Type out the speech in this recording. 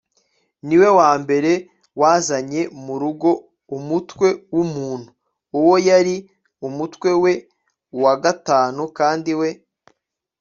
niwe wambere wazanye murugo umutwe wumuntu. uwo yari umutwe we wa gatanu kandi we